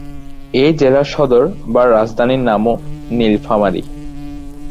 এ জেলার সদর বা রাজধানীর নামও নীলফামারী।